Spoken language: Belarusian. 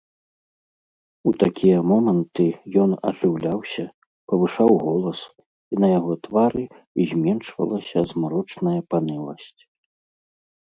У такія моманты ён ажыўляўся, павышаў голас, і на яго твары зменшвалася змрочная паныласць.